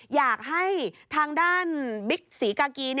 อยากให้ทางด้านสีกากี